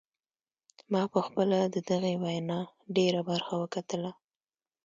ما پخپله د دغې وینا ډیره برخه وکتله.